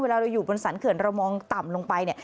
เวลาเราอยู่บนสรรเขื่อนเรามองต่ำลงไปเนี่ย